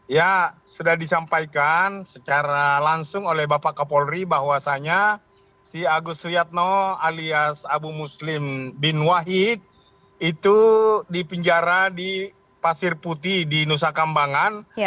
ya sudah disampaikan secara langsung oleh bapak kapolri bahwasannya si agus suyatno alias abu muslim bin wahid itu dipenjara di pasir putih di nusa kambangan